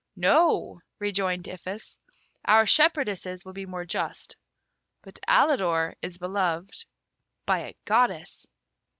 "No," rejoined Iphis; "our shepherdesses will be more just; but Alidor is beloved by a goddess."